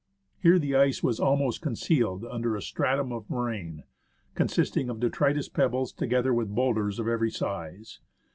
Here the ice was almost concealed under a stratum of moraine, consisting of detritus pebbles, together with boulders of every size.